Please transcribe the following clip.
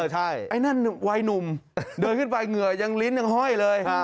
ใช่ไอ้นั่นวัยหนุ่มเดินขึ้นไปเหงื่อยังลิ้นยังห้อยเลย